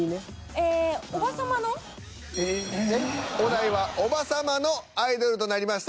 お題は「おばさまのアイドル」となりました。